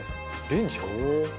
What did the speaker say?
レンジか。